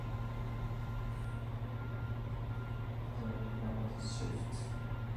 In itself the title represented a paradigm shift.